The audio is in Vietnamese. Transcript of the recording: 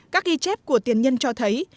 các ghi chép của tiền nhân cho thấy